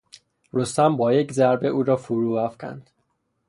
رستم با یک ضربه او را فرو افکند.